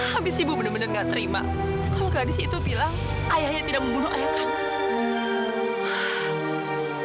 habis ibu benar benar nggak terima kalau tradisi itu bilang ayahnya tidak membunuh ayah kami